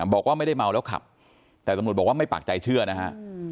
บอกว่าไม่ได้เมาแล้วขับแต่ตำรวจบอกว่าไม่ปากใจเชื่อนะฮะ